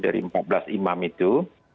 dari empat belas imam itu